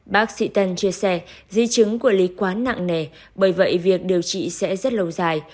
bác sĩ tân chia sẻ di chứng của lý quá nặng nề bởi vậy việc điều trị sẽ rất lâu dài